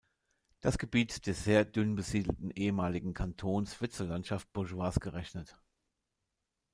Das Gebiet des sehr dünn besiedelten ehemaligen Kantons wird zur Landschaft Baugeois gerechnet.